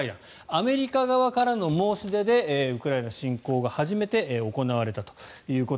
アメリカ側からの申し出でウクライナ侵攻後初めて行われたと。